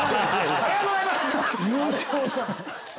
ありがとうございます。